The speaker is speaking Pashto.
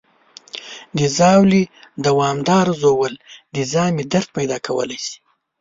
د ژاولې دوامداره ژوول د ژامې درد پیدا کولی شي.